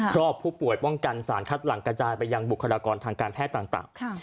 ครอบครัวป้องกันสารคัดหลังกระจายไปยังบุคลากรทางการแพทย์ต่าง